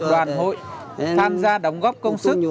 đoàn hội tham gia đóng góp công sức